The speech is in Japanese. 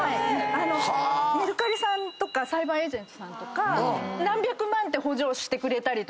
メルカリさんとかサイバーエージェントさんとか何百万って補助をしてくれたり。